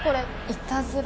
いたずら？